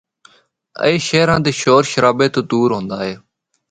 اے شہراں دے شور شرابے تو دور ہوندا اے۔